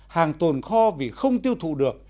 hàng tồn kho vì không tiêu thụ được